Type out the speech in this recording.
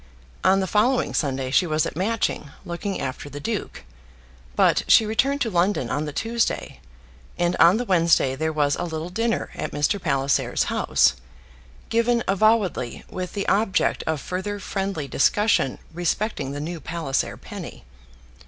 On the following Sunday she was at Matching, looking after the duke; but she returned to London on the Tuesday, and on the Wednesday there was a little dinner at Mr. Palliser's house, given avowedly with the object of further friendly discussion respecting the new Palliser penny.